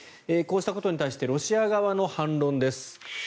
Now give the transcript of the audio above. こうしたことに対してロシア側の反論です。